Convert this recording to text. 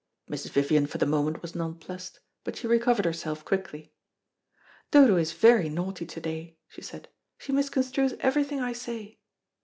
Mrs. Vivian for the moment was nonplussed, but she recovered herself quickly. "Dodo is very naughty to day," she said. "She misconstrues everything I say."